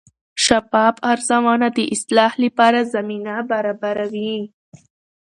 شفاف ارزونه د اصلاح لپاره زمینه برابروي.